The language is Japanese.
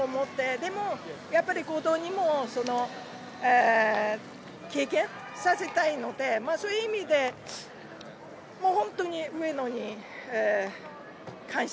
でも、やっぱり後藤にも経験させたいのでそういう意味で本当に上野に感謝。